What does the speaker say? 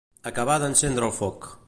Acabar d'encendre el foc.